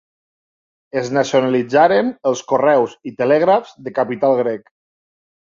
Es nacionalitzaren els Correus i Telègrafs de capital grec.